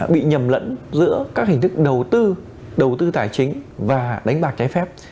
bị nhầm lẫn giữa các hình thức đầu tư đầu tư tài chính và đánh bạc trái phép